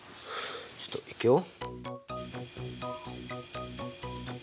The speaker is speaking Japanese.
ちょっといくよ。